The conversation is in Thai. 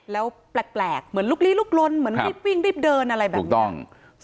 แล้วแปลกเหมือนลุกลีลุกลนเหมือนวิ่งรีบเดินอะไรแบบนี้